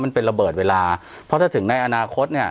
มันเป็นระเบิดเวลาเพราะถ้าถึงในอนาคตเนี่ย